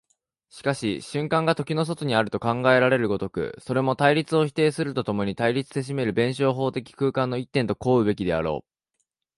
しかし瞬間が時の外にあると考えられる如く、それも対立を否定すると共に対立せしめる弁証法的空間の一点と考うべきであろう。